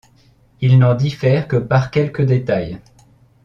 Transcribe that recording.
Il n'en diffère que par quelques détails.